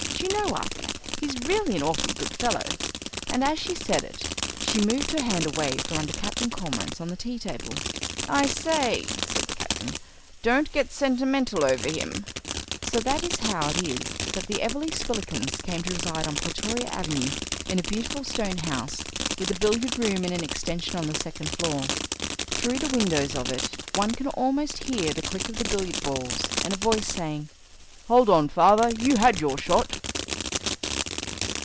Do you know, Arthur, he's really an awfully good fellow," and as she said it she moved her hand away from under Captain Cormorant's on the tea table. "I say," said the Captain, "don't get sentimental over him." So that is how it is that the Everleigh Spillikinses came to reside on Plutoria Avenue in a beautiful stone house, with a billiard room in an extension on the second floor. Through the windows of it one can almost hear the click of the billiard balls, and a voice saying, "Hold on, father, you had your shot."